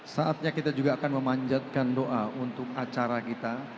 saatnya kita juga akan memanjatkan doa untuk acara kita